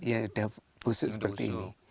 ya sudah busuk seperti ini